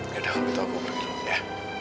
yaudah kalau gitu aku mau pergi dulu ya